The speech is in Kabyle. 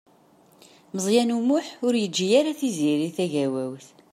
Meẓyan U Muḥ ur yeǧǧi ara Tiziri Tagawawt.